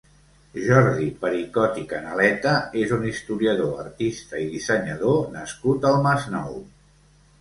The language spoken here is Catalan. Jordi Pericot i Canaleta és un historiador, artista i dissenyador nascut al Masnou.